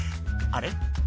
あれ？